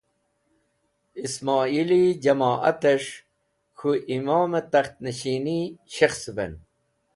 Ismoili Jamoat es̃h K̃hu Imom e Takht Nashini Shekhsuven